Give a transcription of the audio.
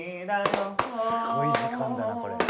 「すごい時間だなこれ」